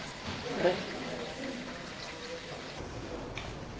えっ？